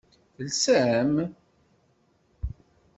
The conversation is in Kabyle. Telsam?